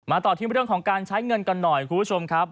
ต่อที่เรื่องของการใช้เงินกันหน่อยคุณผู้ชมครับ